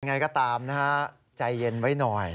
ไงก็ตามนะฮะใจเย็นไว้หน่อย